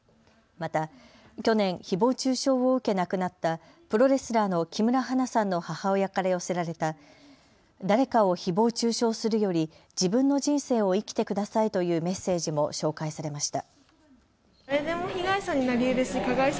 また、去年、ひぼう中傷を受け亡くなったプロレスラーの木村花さんの母親から寄せられた誰かをひぼう中傷するより自分の人生を生きてくださいというメッセージも紹介されました。